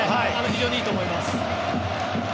非常にいいと思います。